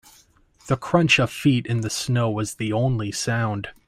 The crunch of feet in the snow was the only sound.